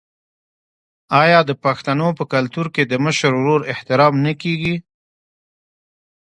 آیا د پښتنو په کلتور کې د مشر ورور احترام نه کیږي؟